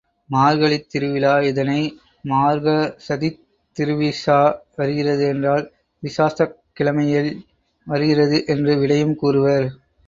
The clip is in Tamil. மார்கழித் திருவிழா— இதனை மார்கக்ஷதித் திருவிஷா வருகிறது என்றால் விசாஷக் கிழமையில் வருகிறது என்று விடையும் கூறுவர்.